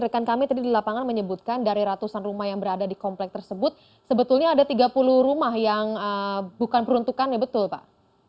rekan kami tadi di lapangan menyebutkan dari ratusan rumah yang berada di komplek tersebut sebetulnya ada tiga puluh rumah yang bukan peruntukannya betul pak